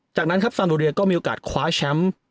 จากนั้นครับซานโดเรียก็มีโอกาสคว้าแชมป์